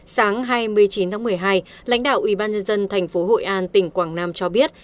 sáng hai mươi chín một mươi hai lãnh đạo ủy ban nhân dân thành phố hội an tỉnh quảng nam cho biết